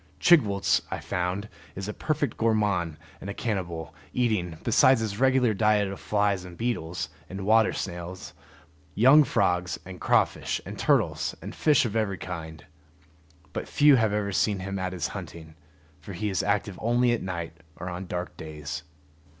Chigwooltz, I found, is a perfect gourmand and a cannibal, eating, besides his regular diet of flies and beetles and water snails, young frogs, and crawfish, and turtles, and fish of every kind. But few have ever seen him at his hunting, for he is active only at night or on dark days.